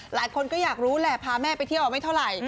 หลายคนก็อยากรู้แหละพาแม่ไปเที่ยวไม่เท่าไหร่